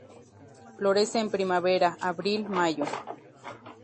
Florece en primavera, abril-mayo.